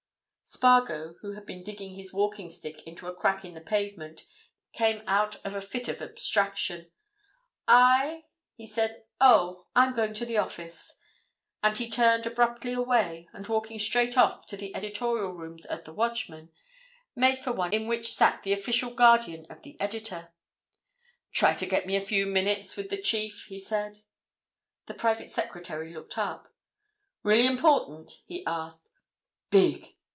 Spargo, who had been digging his walking stick into a crack in the pavement, came out of a fit of abstraction. "I?" he said. "Oh—I'm going to the office." And he turned abruptly away, and walking straight off to the editorial rooms at the Watchman, made for one in which sat the official guardian of the editor. "Try to get me a few minutes with the chief," he said. The private secretary looked up. "Really important?" he asked. "Big!"